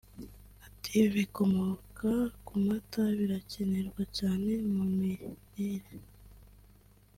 Ati “Ibikomoka ku mata birakenerwa cyane mu mirire